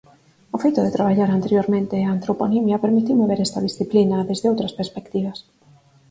O feito de traballar anteriormente a antroponimia permitiume ver esta disciplina desde outras perspectivas.